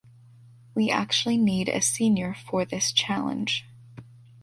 We actually need a senior for this challenge.